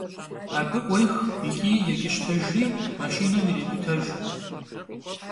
Abı 'uêx yiç'i yêç'ıştejjri maşşinem yirêk'utejj.